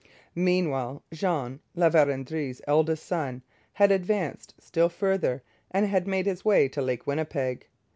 Meanwhile Jean, La Vérendrye's eldest son, had advanced still farther and had made his way to Lake Winnipeg.